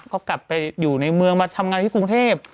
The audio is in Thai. ก็กลับไปอยู่ในเมืองมาทำงานที่กรุงเทพ